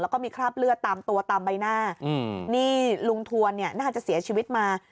แล้วก็มีคราบเลือดตามตัวตามใบหน้านี่ลุงทวนเนี่ยน่าจะเสียชีวิตมา